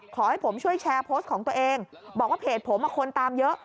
ขอให้ผมช่วยแชร์โพสต์ของตัวเองบอกว่าเพจผมคนตามเยอะ